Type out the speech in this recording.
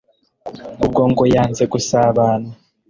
ubwo ngo yanze gusabana